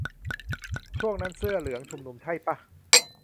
ช่วงนั้นเสื้อเหลืองชุมนุมใช่ป่ะ